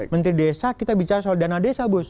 menteri desa kita bicara soal dana desa bus